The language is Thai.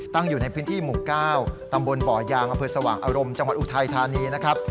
อยู่ในพื้นที่หมู่๙ตำบลบ่อยางอำเภอสว่างอารมณ์จังหวัดอุทัยธานีนะครับ